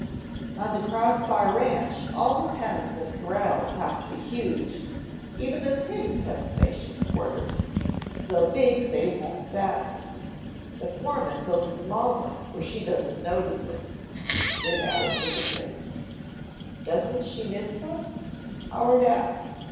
"On the Cross Bar ranch all the pens and corrals have to be huge. Even the pigs have spacious quarters; so big they won't fatten. The foreman built a small one where she doesn't notice it," Jim added with a grin. "Doesn't she miss them?" Howard asked.